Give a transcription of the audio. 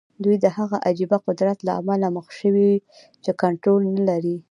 دوی د هغه عجيبه قدرت له امله مخ شوي چې کنټرول نه لري.